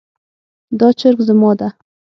دا چرګ زما ده